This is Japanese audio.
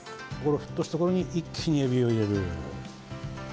沸騰したところに一気にエビを入れる。